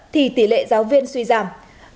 thì tỉ lệ giáo viên suy giảm